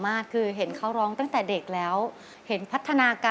เอารุ่นรีลาแม่หน่อยแม่